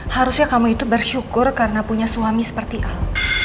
harusnya kamu itu bersyukur karena punya suami seperti kamu